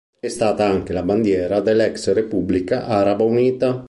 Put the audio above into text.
È stata anche la bandiera dell'ex Repubblica Araba Unita.